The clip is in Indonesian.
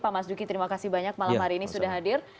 pak mas duki terima kasih banyak malam hari ini sudah hadir